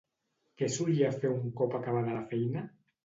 Què solia fer un cop acabada la feina?